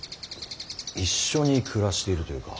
一緒に暮らしているというか。